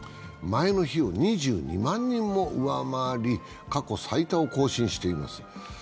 前の日を２２万人も上回り、過去最多を更新しています。